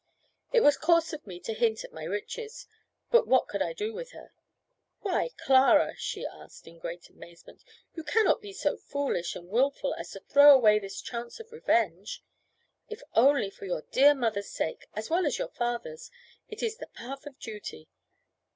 It was coarse of me to hint at my riches. But what could I do with her? "Why, Clara," she asked, in great amazement, "you cannot be so foolish and wilful as to throw away this chance of revenge? If only for your dear mother's sake, as well as your father's, it is the path of duty.